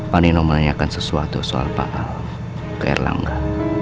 pak nino menanyakan sesuatu soal pak ke erlangga